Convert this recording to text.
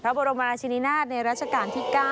บรมราชินินาศในราชการที่๙